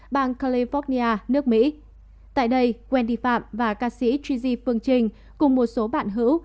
bang california nước mỹ tại đây wendy phạm và ca sĩ trisi phương trình cùng một số bạn hữu